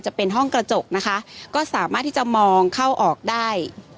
จะเป็นห้องกระจกนะคะก็สามารถที่จะมองเข้าออกได้